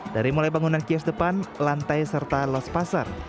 dari mulai bangunan kios depan lantai serta los pasar